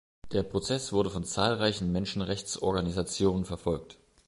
Der Prozess wurde von zahlreichen Menschenrechtsorganisationen verfolgt.